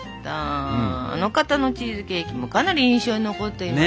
あの方のチーズケーキもかなり印象に残っています。